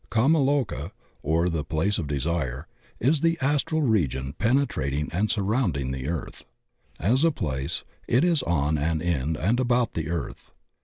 Kama loka — or the place of desire — ^is the astral region penetrating and surrounding the earth. As a place it is on and in and about the earth.